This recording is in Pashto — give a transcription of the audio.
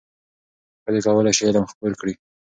ښځې کولای شي علم خپور کړي.